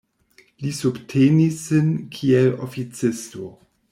Li subtenis sin kiel oficisto.